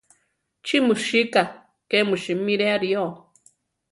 ¿Chú mu sika ké mu simire aʼrío?